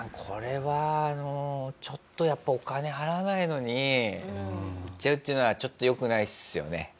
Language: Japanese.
これはあのちょっとやっぱりお金払わないのに行っちゃうっていうのはちょっと良くないですよね。